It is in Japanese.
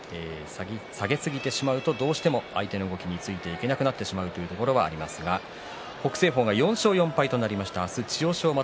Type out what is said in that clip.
下げすぎてしまうとどうしても相手の動きについていけなくなってしまうというところはありますが北青鵬が４勝４敗となりました。